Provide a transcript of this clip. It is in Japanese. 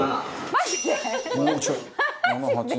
マジで？